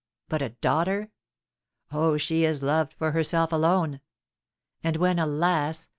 But a daughter! oh, she is loved for herself alone! And when, alas!